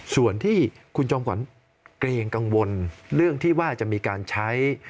ส่วนที่คุณจอมขวัญเกรงกังวลเรื่องที่ว่าจะมีการใช้